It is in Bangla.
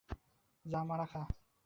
তিনি এ কলেজ থেকে এফ এ পাশ করেন।